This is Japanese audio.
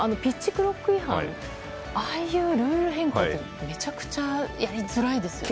クロック違反ああいうルール変更ってめちゃくちゃやりづらいですよね。